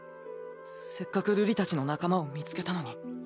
せっかく瑠璃たちの仲間を見つけたのに。